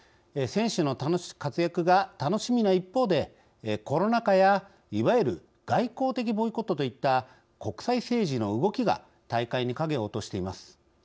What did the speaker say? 選手の活躍が楽しみな一方でコロナ禍や、いわゆる外交的ボイコットといった国際政治の動きが大会に影を落としています。